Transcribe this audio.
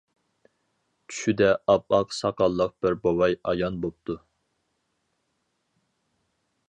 چۈشىدە ئاپئاق ساقاللىق بىر بوۋاي ئايان بوپتۇ.